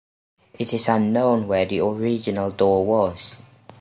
It is unknown where the original door was.